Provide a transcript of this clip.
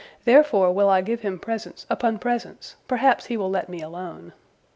Therefore will I give him presents upon presents, perhaps he will let me alone."